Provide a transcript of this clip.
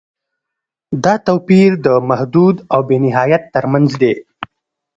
دا توپیر د محدود او بې نهایت تر منځ دی.